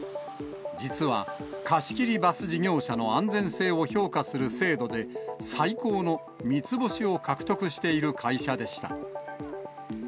実は、貸し切りバス事業者の安全性を評価する制度で、最高の三つ星を獲得している会社でした。